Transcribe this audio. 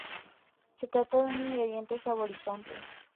Se trata de un ingrediente saborizante.